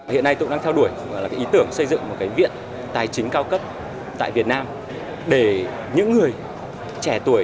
hiện nay tôi đang theo đuổi ý tưởng xây dựng một viện tài chính cao cấp tại việt nam để những người trẻ tuổi